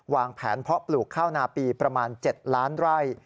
วางแผนเพาะปลูกข้าวนาปีประมาณ๗ล้านไร่